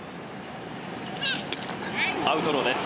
アウトローです。